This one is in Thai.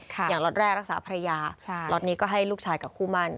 อย่างลอดแรกรักษาภรรยาลอดนี้ก็ให้ลูกชายกับคู่มัน